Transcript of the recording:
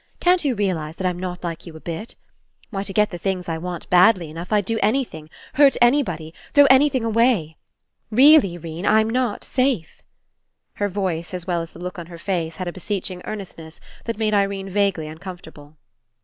Can't you realize that I'm not like you a bit? Why, to get the things I want badly enough, I'd do anything, hurt anybody, throw anything away. Really, 'Rene, I'm not safe." Her voice as well as the look on her face had a beseeching earnestness that made Irene vaguely uncomfortable.